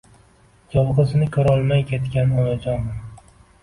Yolg‘izini ko‘rolmay ketgan onajonim!